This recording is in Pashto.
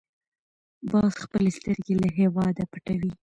باز خپلې سترګې له هېواده پټوي